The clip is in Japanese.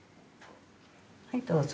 はいどうぞ。